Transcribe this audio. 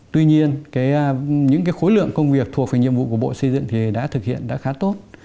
tuy nhiên những khối lượng công việc thuộc về nhiệm vụ của bộ xây dựng thì đã thực hiện đã khá tốt